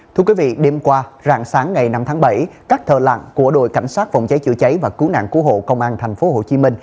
thưa quý vị đêm qua rạng sáng ngày năm tháng bảy các thờ lặng của đội cảnh sát phòng cháy chữa cháy và cứu nạn cứu hộ công an tp hcm